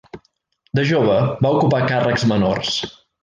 De jove va ocupar càrrecs menors.